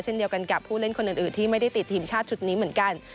เช่นเดียวกันกับผู้เล่นคนอื่นที่ไม่ได้ติดทีมชาติชุดนี้เหมือนกัน